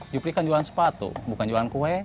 jupri kan jualan sepatu bukan jualan kue